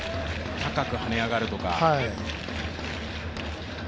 高く跳ね上がるとか。